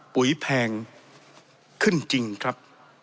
ปุ๋ยแพงขึ้นจริงครับ